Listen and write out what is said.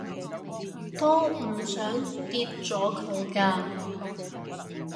都唔想掉咗佢㗎